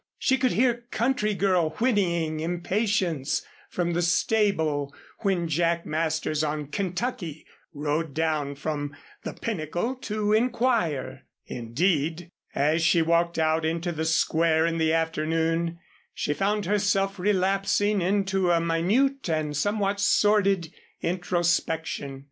She could hear "Country Girl" whinnying impatience from the stable when Jack Masters on "Kentucky" rode down from "The Pinnacle" to inquire. Indeed, as she walked out into the Square in the afternoon she found herself relapsing into a minute and somewhat sordid introspection.